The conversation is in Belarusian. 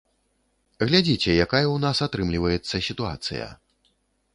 Глядзіце, якая ў нас атрымліваецца сітуацыя.